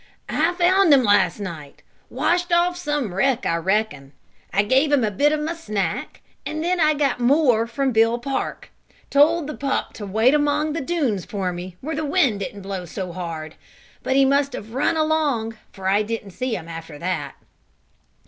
"I found him last night. Washed off some wreck, I reckon. I gave him a bit of my snack, and then I got more from Bill Park. Told the pup to wait up among the dunes for me, where the wind didn't blow so hard, but he must have run along for I didn't see him after that."